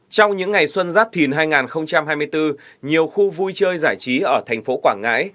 trong những ngày xuân giáp thìn hai nghìn hai mươi bốn nhiều khu vui chơi giải trí ở thành phố quảng ngãi